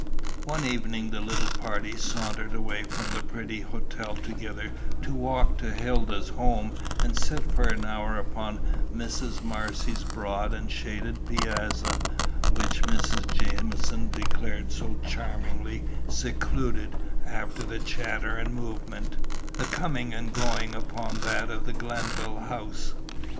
One evening the little party sauntered away from the pretty hotel together to walk to Hilda's home and sit for an hour upon Mrs. Marcy's broad and shaded piazza, which Mrs. Jamieson declared so charmingly secluded, after the chatter and movement, the coming and going upon that of the Glenville House.